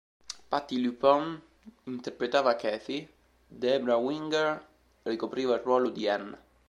Patti LuPone interpretava Cathy, Debra Winger ricopriva il ruolo di Ann.